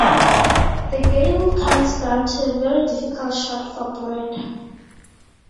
The game comes down to a very difficult shot for Brad.